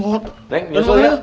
neng nyusul ya